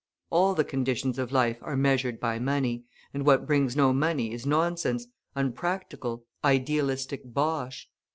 All the conditions of life are measured by money, and what brings no money is nonsense, unpractical, idealistic bosh.